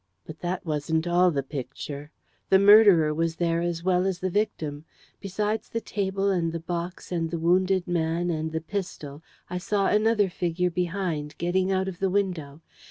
But that wasn't all the Picture. The murderer was there as well as the victim. Besides the table, and the box, and the wounded man, and the pistol, I saw another figure behind, getting out of the window.